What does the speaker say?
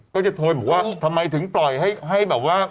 ก็จะโทรบอกว่าทำไมถึงปล่อยให้แบบว่า